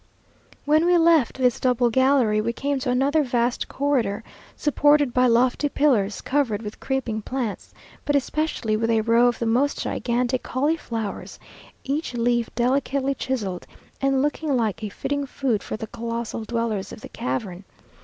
When we left this double gallery, we came to another vast corridor, supported by lofty pillars, covered with creeping plants, but especially with a row of the most gigantic cauliflowers, each leaf delicately chiseled, and looking like a fitting food for the colossal dwellers of the cavern.